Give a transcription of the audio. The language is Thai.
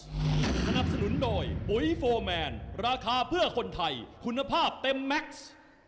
สนับสนุนโดยปุ๋ยโฟร์แมนราคาเพื่อคนไทยคุณภาพเต็มแม็กซ์